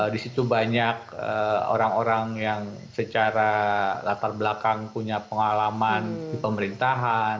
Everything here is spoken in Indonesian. di situ banyak orang orang yang secara latar belakang punya pengalaman di pemerintahan